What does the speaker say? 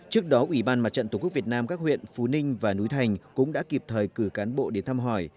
trước đó ubnd tqvn các huyện phú ninh và núi thành cũng đã kịp thời cử cán bộ đến thăm hỏi